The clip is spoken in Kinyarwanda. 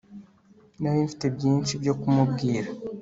nari mfite byinshi byo kumubwira